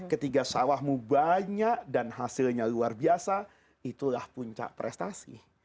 ketika sawahmu banyak dan hasilnya luar biasa itulah puncak prestasi